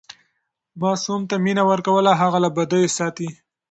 ماسوم ته مینه ورکول هغه له بدیو ساتي.